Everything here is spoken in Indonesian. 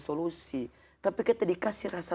solusi tapi kita dikasih rasa